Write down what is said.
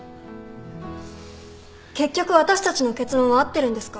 結局私たちの結論は合ってるんですか？